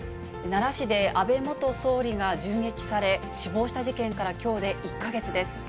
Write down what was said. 奈良市で安倍元総理が銃撃され、死亡した事件から、きょうで１か月です。